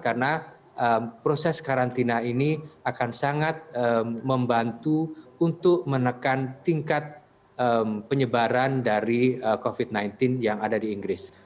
karena proses karantina ini akan sangat membantu untuk menekan tingkat penyebaran dari covid sembilan belas yang ada di inggris